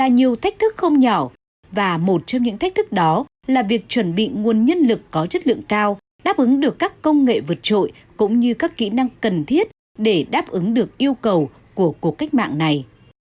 nhiều thách thức không nhỏ và một trong những thách thức đó là việc chuẩn bị nguồn nhân lực có chất lượng cao đáp ứng được các công nghệ vượt trội cũng như các kỹ năng cần thiết để đáp ứng được yêu cầu của cuộc cách mạng này